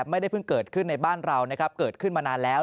ไม่ได้เพิ่งเกิดขึ้นในบ้านเรานะครับเกิดขึ้นมานานแล้ว